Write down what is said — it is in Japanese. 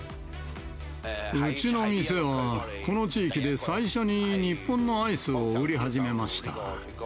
うちの店は、この地域で最初に日本のアイスを売り始めました。